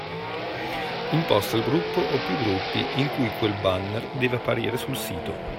Imposta il gruppo o più gruppi in cui quel banner deve apparire sul sito.